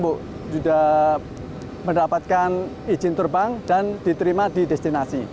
sudah mendapatkan izin terbang dan diterima di destinasi